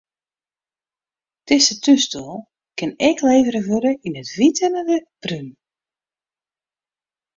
Dizze túnstoel kin ek levere wurde yn it wyt en it brún.